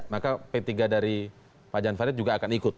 maka p tiga dari pak jan farid juga akan ikut